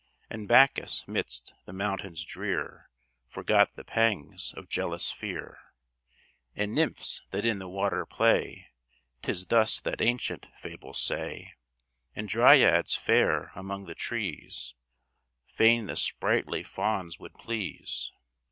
And Bacchus 'midst the mountains drear Forgot the pangs of jealous fear; And nymphs that in the water play ('Tis thus that ancient fables say), And Dryads fair among the trees, Fain the sprightly Fauns would please.